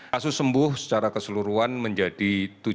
kasus sembuh secara keseluruhan menjadi tujuh